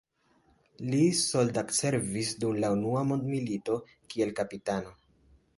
Li soldatservis dum la unua mondmilito kiel kapitano.